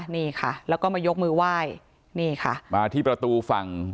นี่ค่ะแล้วก็มายกมือไหว้นี่ค่ะมาที่ประตูฝั่ง